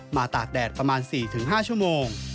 ตากแดดประมาณ๔๕ชั่วโมง